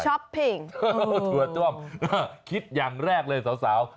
ช็อปปิ้งโต๊ะด้วมคิดอย่างแรกเลยสาว